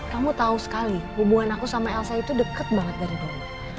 kamu tahu sekali hubungan aku sama elsa itu deket banget dari dulu